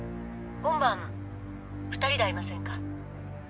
今晩２人で会いませんか？